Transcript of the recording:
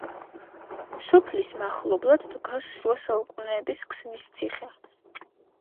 სოფლის მახლობლად დგას შუა საუკუნეების ქსნის ციხე.